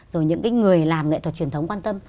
rồi những người làm nghệ thuật truyền thống quan tâm